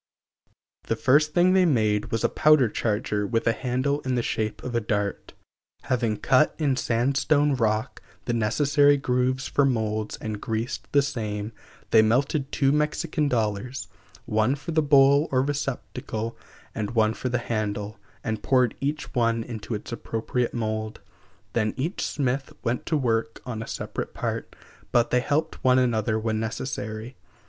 The first thing they made was a powder charger with a handle in the shape of a dart (Fig. 2, Pl. XIX). Having cut in sandstone rock (Fig. 2, Pl. XVIII) the necessary grooves for molds and greased the same, they melted two Mexican dollars one for the bowl or receptacle, and one for the handle and poured each one into its appropriate mold. Then each smith went to work on a separate part; but they helped one another when necessary.